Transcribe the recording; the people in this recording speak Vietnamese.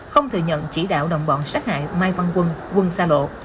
không thừa nhận chỉ đạo đồng bọn sát hại mai văn quân quân xa bộ